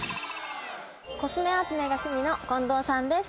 コスメ集めが趣味の近藤さんです。